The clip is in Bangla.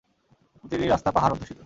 প্রতিটি রাস্তা পাহাড় অধ্যুষিত।